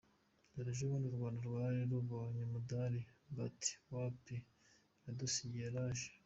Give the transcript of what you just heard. Dore ejo bundi u Rwanda rwari rubonye umudali but wapi yadusigiye rage.